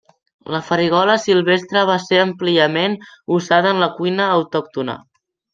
La farigola silvestre va ser àmpliament usada en la cuina autòctona.